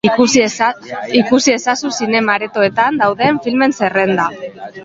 Ikusi ezazu zinema-aretoetan dauden filmen zerrenda.